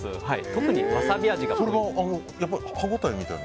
特にわさび味が。